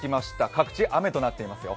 各地雨となっていますよ。